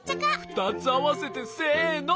ふたつあわせてせの。